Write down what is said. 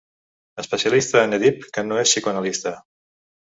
Especialista en Èdip que no és psicoanalista.